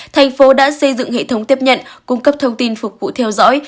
thành phố đã xây dựng hệ thống tiếp nhận cung cấp thông tin phục vụ theo dõi